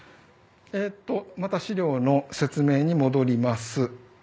また資料の説明に戻ります。